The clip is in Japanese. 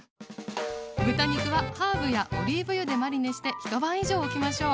豚肉はハーブやオリーブ油でマリネして一晩以上おきましょう。